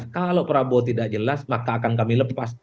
kalau prabowo tidak jelas maka akan kami lepas